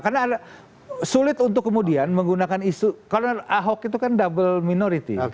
karena sulit untuk kemudian menggunakan isu karena ahok itu kan double minority